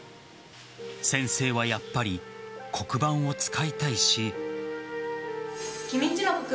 先生はやっぱり黒板を使いたいし。